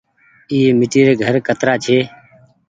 اي ميٽي ري گهر ڪترآ ڇي۔